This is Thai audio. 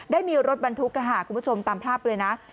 ได้มีรถบรรทุกคุณผู้ชมตามภาพเลยนะ